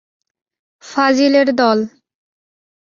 ফাজিলের দল!